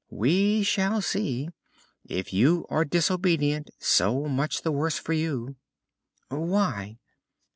"We shall see. If you are disobedient, so much the worse for you." "Why?"